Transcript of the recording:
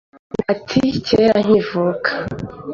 Ati: kera nkivuka